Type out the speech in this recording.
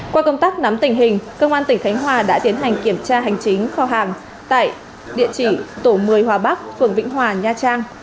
qua công tác nắm tình hình công an tỉnh khánh hòa đã tiến hành kiểm tra hành chính kho hàng tại địa chỉ tổ một mươi hòa bắc phường vĩnh hòa nha trang